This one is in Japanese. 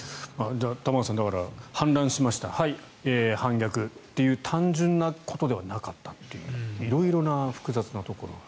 玉川さん、反乱しましたはい、反逆という単純なことではなかったという色々な複雑なところが。